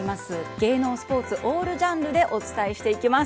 芸能、スポーツオールジャンルでお伝えしていきます。